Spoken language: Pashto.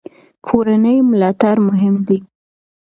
کورنۍ ملاتړ مهم دی.